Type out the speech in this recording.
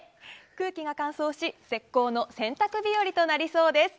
空気が乾燥し絶好の洗濯日和となりそうです。